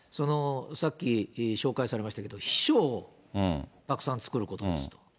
さっき紹介されましたけど、秘書をたくさん作ることですと。